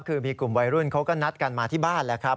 คือมีกลุ่มวัยรุ่นเขาก็นัดกันมาที่บ้านแล้วครับ